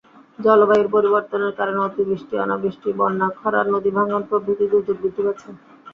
জলবায়ুর পরিবর্তনের কারণে অতিবৃষ্টি, অনাবৃষ্টি, বন্যা, খরা, নদীভাঙন প্রভৃতি দুর্যোগ বৃদ্ধি পাচ্ছে।